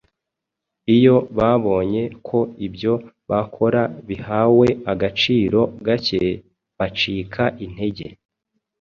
Iyo babonye ko ibyo bakora bihawe agaciro gake, bacika intege.